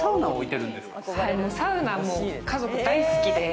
サウナ、もう家族大好きで。